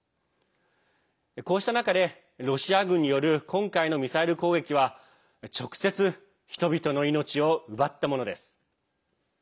こうした中でロシア軍による今回のミサイル攻撃は直接、人々の命を奪ったものです。